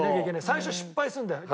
最初失敗するんだよね。